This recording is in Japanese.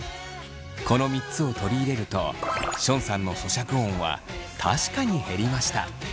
この３つを取り入れるとションさんの咀嚼音は確かに減りました。